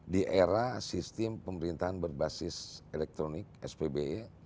di era sistem pemerintahan berbasis elektronik spbe